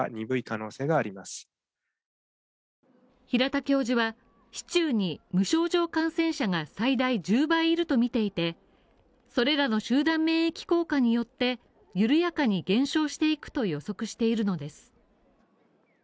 平田教授は市中に無症状感染者が最大１０倍いるとみていてそれらの集団免疫効果によって緩やかに減少していくと予測しているのです。